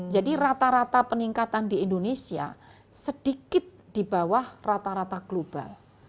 jadi rata rata peningkatan di indonesia sedikit di bawah rata rata global